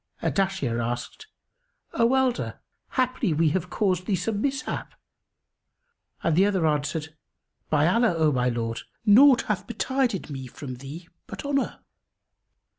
Ardashir asked, "O elder, haply we have caused thee some mishap?"; and the other answered, "By Allah, O my lord, naught hath betided me from thee but honour!"